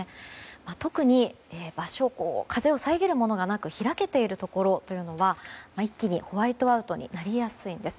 特に、風を遮るものがなく開けているところは一気にホワイトアウトになりやすいんです。